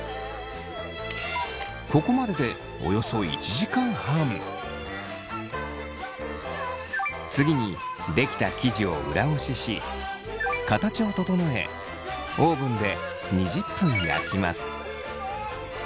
ここまでで次に出来た生地を裏ごしし形を整えオーブンで２０分焼きます。